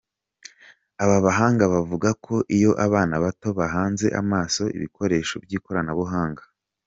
Aba bahanga bavuga ko iyo abana bato bahanze amaso ibikoresho by'ikoranabuhanga.